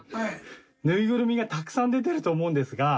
ぬいぐるみがたくさん出てると思うんですが。